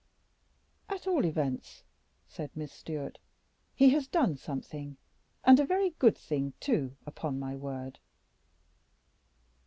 "At all events," said Miss Stewart, "he has done something; and a very good thing too, upon my word."